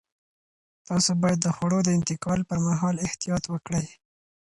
تاسو باید د خوړو د انتقال پر مهال احتیاط وکړئ.